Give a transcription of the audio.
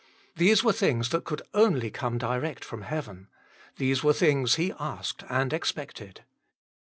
These were things that could only come direct from heaven ; these were things he asked and expected.